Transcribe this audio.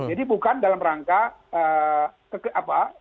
jadi bukan dalam rangka